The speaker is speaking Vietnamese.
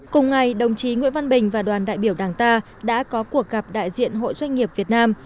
cùng ngày đồng chí nguyễn văn bình và đoàn đại biểu đảng ta đã có cuộc gặp đại diện hội doanh nghiệp việt nam